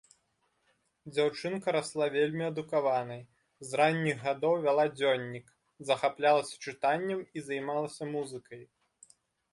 Дзяўчынка расла вельмі адукаванай, з ранніх гадоў вяла дзённік, захаплялася чытаннем і займалася музыкай.